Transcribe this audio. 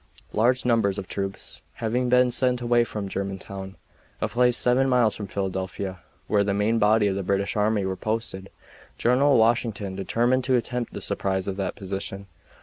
Large numbers of troops having been sent away from Germantown, a place seven miles from Philadelphia, where the main body of the British army were posted, General Washington determined to attempt the surprise of that position.